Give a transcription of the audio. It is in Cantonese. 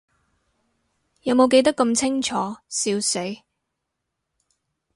有無記得咁清楚，笑死